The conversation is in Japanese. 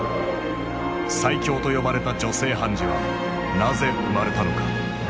最強と呼ばれた女性判事はなぜ生まれたのか。